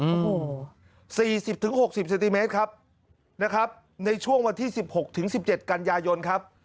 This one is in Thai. อืมสี่สิบถึงหกสิบเซนติเมตรครับนะครับในช่วงวันที่สิบหกถึงสิบเจ็ดกันยายนครับ